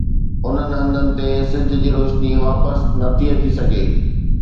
انهن هنڌن تي سج جي روشني واپس نٿي اچي سگهي.